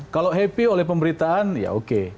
kalau happy oleh pemberitaan ya oke